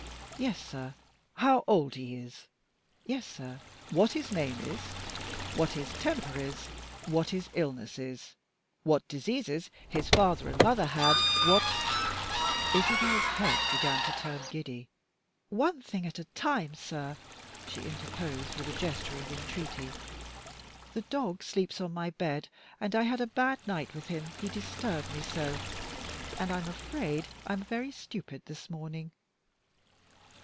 "Yes, sir." "How old he is?" "Yes, sir." "What his name is? what his temper is? what his illness is? what diseases his father and mother had? what " Isabel's head began to turn giddy. "One thing at a time, sir!" she interposed, with a gesture of entreaty. "The dog sleeps on my bed, and I had a bad night with him, he disturbed me so, and I am afraid I am very stupid this morning.